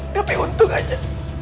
tapi untung aja